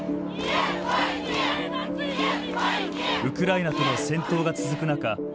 ウクライナとの戦闘が続く中